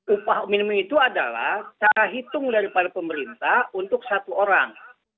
upah minimum itu adalah cara hitung daripada pemerintah untuk satu orang